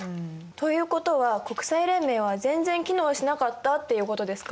ということは国際連盟は全然機能しなかったっていうことですか？